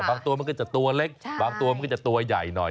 บางตัวมันก็จะตัวเล็กบางตัวมันก็จะตัวใหญ่หน่อย